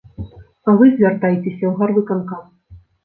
А вы звяртайцеся ў гарвыканкам.